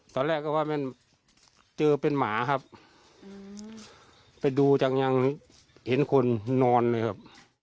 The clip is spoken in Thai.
ตอนแรกก็ว่าเจอเป็นหมาครับไปดูจังยังเห็นคนนอนเลยครับ